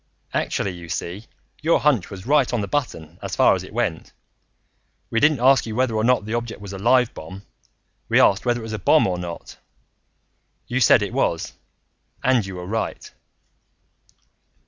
"Actually, you see, your hunch was right on the button as far as it went. We didn't ask you whether or not that object was a live bomb. We asked whether it was a bomb or not. You said it was, and you were right."